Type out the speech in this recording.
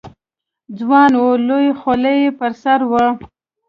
ځوان و، لویه خولۍ یې پر سر وه.